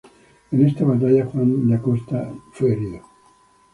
En esta batalla Juan de Acosta era herido.